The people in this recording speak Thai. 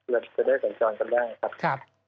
จะได้ส่วนจรกันได้ครับ